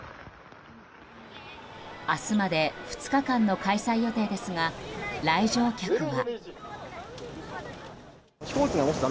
明日まで２日間の開催予定ですが来場客は。